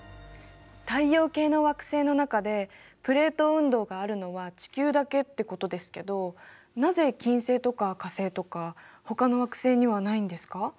太陽系の惑星の中でプレート運動があるのは地球だけってことですけどなぜ金星とか火星とかほかの惑星にはないんですか？